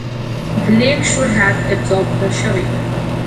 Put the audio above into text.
The lake should have absorbed the shoving.